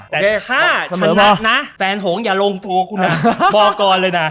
แต่ถ้าชนะนะแฟนหงอย่าลงโทรคุณนะบอกก่อนเลยนะ